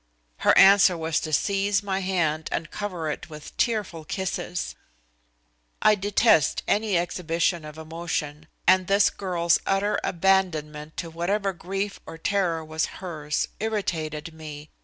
Her answer was to seize my hand and cover it with tearful kisses. I detest any exhibition of emotion, and this girl's utter abandonment to whatever grief or terror was hers irritated me.